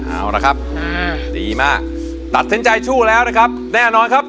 เอาละครับดีมากตัดสินใจสู้แล้วนะครับแน่นอนครับ